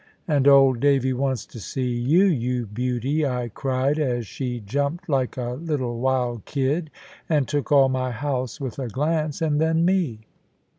"And old Davy wants to see you, you beauty," I cried, as she jumped like a little wild kid, and took all my house with a glance, and then me.